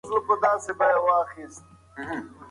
ثمرګل د خپل زوی هیلو ته په ډېر دقت سره غوږ ونیو.